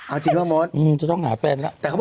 โอ้ยรู้เยอะ